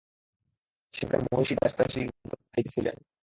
সেখানে মহিষী দাসদাসীদিগকে খাওয়াইতেছিলেন।